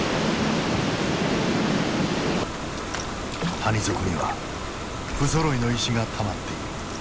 谷底にはふぞろいの石がたまっている。